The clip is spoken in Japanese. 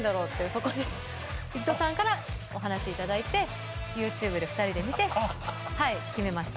そこで、伊藤さんからお話いただいて、ＹｏｕＴｕｂｅで２人で見て、決めました。